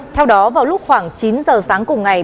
theo đó vào lúc khoảng chín giờ sáng cùng ngày